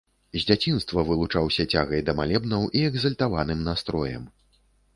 З дзяцінства вылучаўся цягай да малебнаў і экзальтаваным настроем.